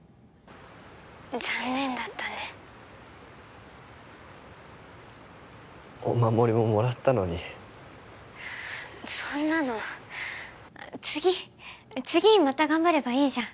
☎残念だったねお守りももらったのにそんなの次次また頑張ればいいじゃん